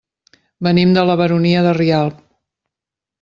Venim de la Baronia de Rialb.